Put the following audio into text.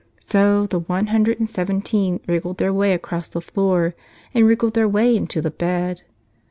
So the one hundred and seventeen wriggled their way across the floor and wriggled their way into the bed.